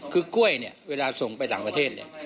คือกล้วยเวลาส่งไปต่างประเทศ